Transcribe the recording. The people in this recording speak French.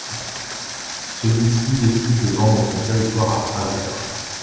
Celui-ci décide de vendre son territoire à Fraser.